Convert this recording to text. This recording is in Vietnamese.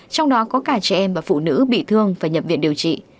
trong đó có cả trẻ em và phụ nữ bị thương phải nhập viện điều trị